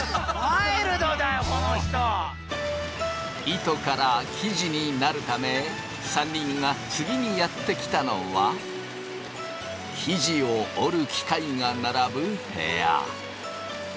糸から生地になるため３人が次にやって来たのは生地を織る機械が並ぶ部屋。